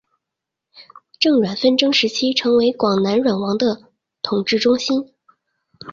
郑阮纷争时期成为广南阮主的统治中心。